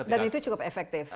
dan itu cukup efektif